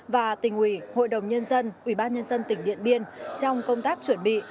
và tỉnh ủy hội đồng nhân dân ubnd tỉnh điện biên trong công tác chuẩn bị